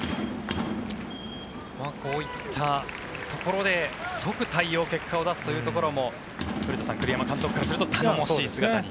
こういったところで即対応、結果を出すところも古田さん、栗山監督からすると頼もしい姿に。